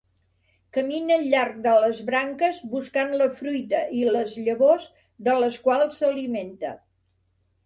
Camina al llarg de les branques buscant la fruita i les llavors de les quals s'alimenta.